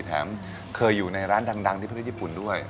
แถมเคยอยู่ในร้านดังที่ประเทศญี่ปุ่นด้วย